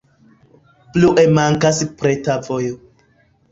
Plue mankas preta vojo.